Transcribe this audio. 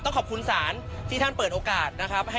ขอบคุณศาลที่ท่านเปิดโอกาสนะครับ